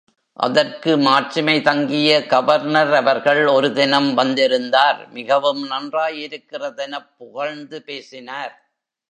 அதற்கு மாட்சிமை தங்கிய கவர்னர் அவர்கள் ஒரு தினம் வந்திருந்தார் மிகவும் நன்றாயிருக்கிறதெனப் புகழ்ந்து பேசினார்.